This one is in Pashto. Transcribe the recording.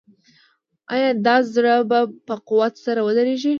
آیا دا زړه به په قوت سره ودرزیږي؟